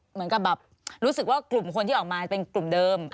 เหมือนกับแบบรู้สึกว่ากลุ่มคนที่ออกมาเป็นกลุ่มเดิม